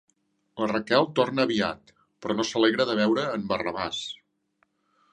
La Raquel torna aviat, però no s'alegra de veure a en Barrabàs.